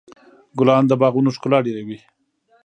ګلان د باغونو ښکلا ډېروي.